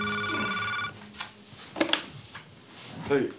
はい。